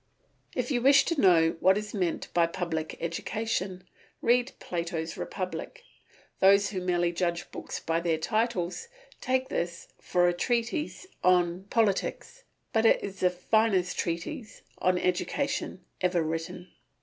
If you wish to know what is meant by public education, read Plato's Republic. Those who merely judge books by their titles take this for a treatise on politics, but it is the finest treatise on education ever written.